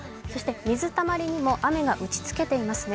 水たまりにも雨が打ちつけていますね。